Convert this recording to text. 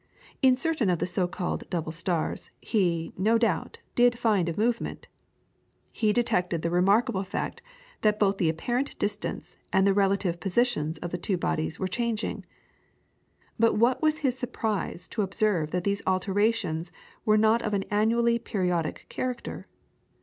In certain of the so called double stars, he, no doubt, did find a movement. He detected the remarkable fact that both the apparent distance and the relative positions of the two bodies were changing. But what was his surprise to observe that these alterations were not of an annually periodic character.